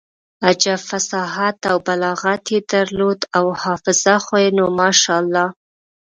عجب فصاحت او بلاغت يې درلود او حافظه خو يې نو ماشاالله.